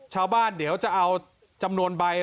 ชาวบ้านเดี๋ยวจะเอาจำนวนใบ